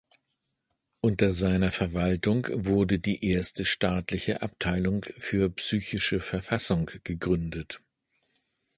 Unter seiner Verwaltung wurde die erste staatliche Abteilung für psychische Verfassung gegründet.